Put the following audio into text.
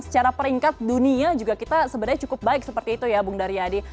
secara peringkat dunia juga kita sebenarnya cukup baik seperti itu ya bung daryadi